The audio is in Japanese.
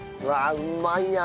うまい。